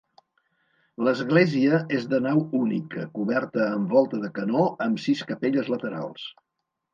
L'església és de nau única coberta amb volta de canó amb sis capelles laterals.